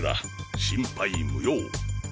心配無用。